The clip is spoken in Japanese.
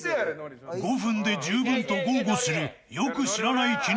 ［５分で十分と豪語するよく知らない筋肉芸人に］